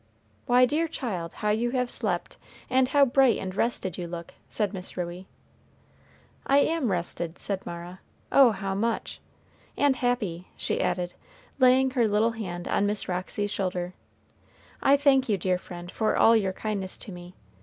"Why, dear child, how you have slept, and how bright and rested you look," said Miss Ruey. "I am rested," said Mara; "oh how much! And happy," she added, laying her little hand on Miss Roxy's shoulder. "I thank you, dear friend, for all your kindness to me.